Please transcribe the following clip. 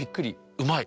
うまい。